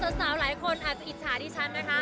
ตอนนี้สาวหลายคนอาจจะอิจฉาที่ชั้นนะคะ